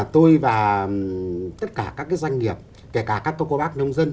tôi và tất cả các cái doanh nghiệp kể cả các cô bác nông dân